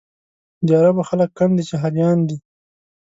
د عربو خلک کم دي چې حاجیان دي.